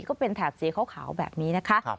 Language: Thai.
ก็เป็นแถบสีขาวแบบนี้นะคะ